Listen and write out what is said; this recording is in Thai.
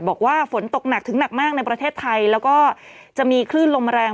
บอกว่าฝนตกหนักถึงหนักมากในประเทศไทยแล้วก็จะมีคลื่นลมแรง